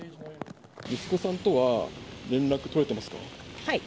息子さんとは連絡取れてますはい。